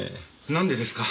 なんでですか？